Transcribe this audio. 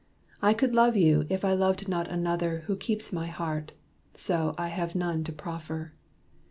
I could love you if I loved not another Who keeps my heart; so I have none to proffer."